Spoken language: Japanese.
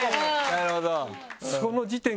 なるほど！